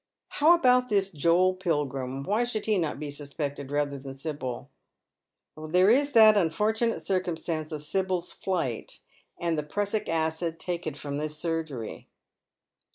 " How about this Joel Pilgrim ? Why should he not be sus pected rather than Sibyl ?"" There is that unfortunate circumstance of Sibyl's flight, and the prussic acid taken from this surgerj'."